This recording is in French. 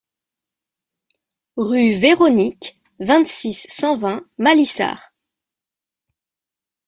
Rue Véronique, vingt-six, cent vingt Malissard